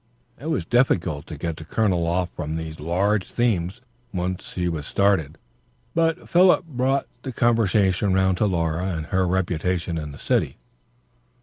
It was difficult to get the Colonel off from these large themes when he was once started, but Philip brought the conversation round to Laura and her reputation in the City.